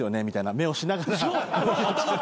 みたいな目をしながら。